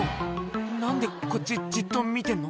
「何でこっちじっと見てんの？」